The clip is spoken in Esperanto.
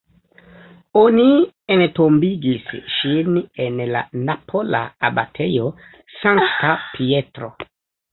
Oni entombigis ŝin en la napola abatejo Sankta Pietro.